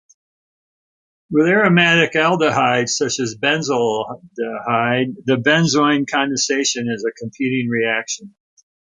With aromatic aldehydes such as benzaldehyde, the benzoin condensation is a competing reaction.